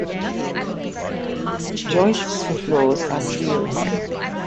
Joists for floors are steel.